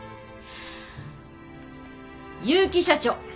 結城社長。